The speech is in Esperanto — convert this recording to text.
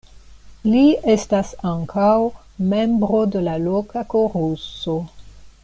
Li estas ankaŭ membro de la loka koruso.